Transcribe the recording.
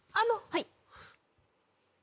はい。